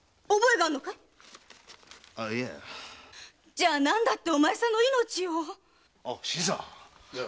じゃ何だってお前さんの命を⁉新さん。